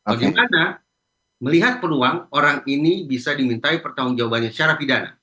bagaimana melihat peluang orang ini bisa dimintai pertanggung jawabannya secara pidana